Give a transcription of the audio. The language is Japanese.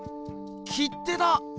切手だ！